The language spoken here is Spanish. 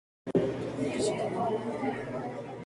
Where is the love?